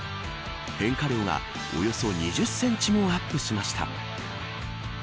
変化量がおよそ２０センチもアップしました。